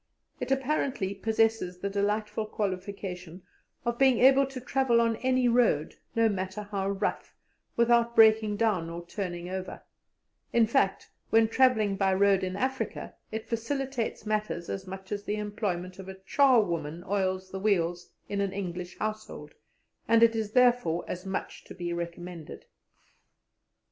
It apparently possesses the delightful qualification of being able to travel on any road, no matter how rough, without breaking down or turning over; in fact, when travelling by road in Africa, it facilitates matters as much as the employment of a charwoman oils the wheels in an English household, and it is therefore as much to be recommended.